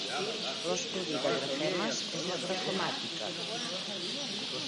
L'estudi de grafemes és la grafemàtica.